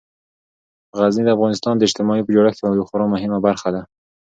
غزني د افغانستان د اجتماعي جوړښت یوه خورا مهمه برخه ده.